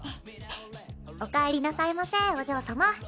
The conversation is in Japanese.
おかえりなさいませお嬢さま。